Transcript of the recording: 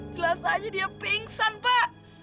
kelas aja dia pingsan pak